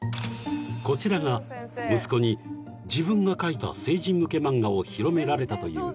［こちらが息子に自分が描いた成人向け漫画を広められたという］